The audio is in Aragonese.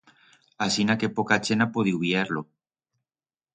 Asina que poca chent ha podiu vier-lo.